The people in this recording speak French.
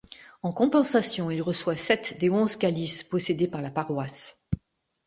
En compensation, il reçoit sept des onze calices possédés par la paroisse.